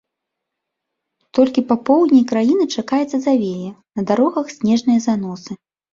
Толькі па поўдні краіны чакаецца завея, на дарогах снежныя заносы.